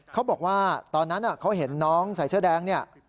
เขาบอกว่าตอนนั้นเขาเห็นน้องใส่เสื้อแดงเนี่ย